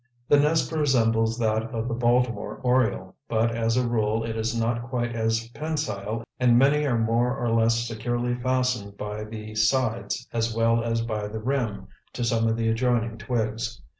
The nest resembles that of the Baltimore Oriole, but as a rule it is not quite as pensile and many are more or less securely fastened by the sides as well as by the rim to some of the adjoining twigs.